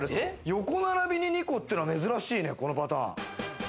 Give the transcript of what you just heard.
横並びに２個というのは珍しいね、このパターン。